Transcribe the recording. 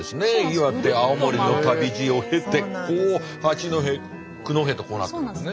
岩手青森の旅路を経てこう八戸九戸となってるんですね。